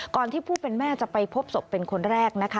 ที่ผู้เป็นแม่จะไปพบศพเป็นคนแรกนะคะ